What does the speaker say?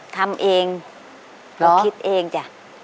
ทำเองเราคิดเองจ้ะ